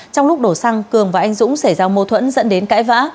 trong lúc đổ xăng cường và anh dũng xảy ra mâu thuẫn dẫn đến cãi vã